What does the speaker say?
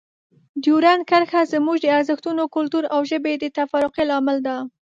ډیورنډ کرښه زموږ د ارزښتونو، کلتور او ژبې د تفرقې لامل ده.